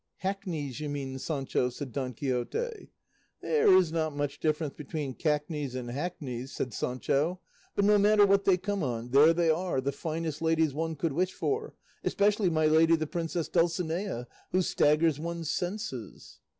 "Hackneys, you mean, Sancho," said Don Quixote. "There is not much difference between cackneys and hackneys," said Sancho; "but no matter what they come on, there they are, the finest ladies one could wish for, especially my lady the princess Dulcinea, who staggers one's senses."